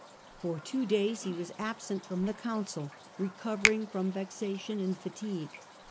For two days he was absent from the council, recovering from vexation and fatigue.